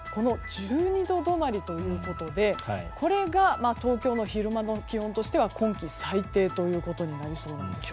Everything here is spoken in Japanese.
１２度止まりということでこれが東京の昼間の気温としては今季最低ということになりそうなんです。